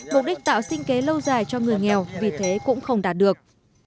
mục đích tạo sinh kế lâu dài cho người nghèo vì thế cũng không đạt được